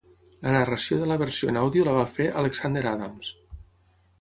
La narració de la versió en àudio la va fer Alexander Adams.